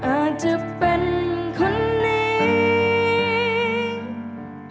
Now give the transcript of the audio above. อาจจะเป็นคนนี้